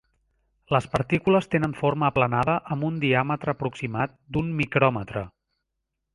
Les partícules tenen forma aplanada amb un diàmetre aproximat d'un micròmetre.